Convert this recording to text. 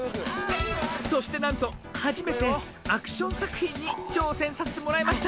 そしてなんとはじめてアクションさくひんにちょうせんさせてもらいました。